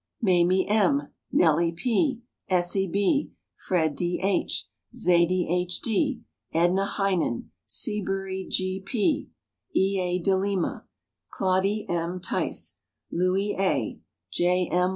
Mamie M., Nellie P., Essie B., Fred D. H., Zadie H. D., Edna Heinen, Seabury G. P., E. A. De Lima, Claudie M. Tice, Louie A., J. M.